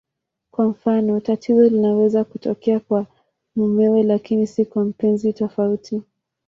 Kwa mfano, tatizo linaweza kutokea kwa mumewe lakini si kwa mpenzi tofauti.